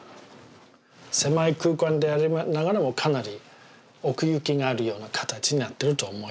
狭い空間でありながらもかなり奥行きがあるような形になってると思います。